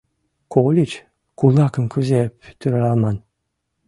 — Кольыч, кулакым кузе пӱтыралман?!